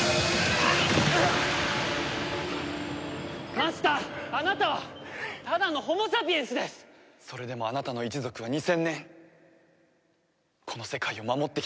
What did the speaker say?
マスターあなたはただのホモサピエンスです！それでもあなたの一族は２０００年この世界を守ってきた。